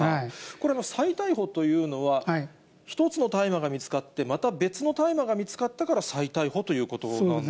これ、再逮捕というのは、１つの大麻が見つかって、また別の大麻が見つかったから再逮捕ということなんですか。